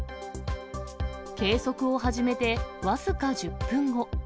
計測を始めて僅か１０分後。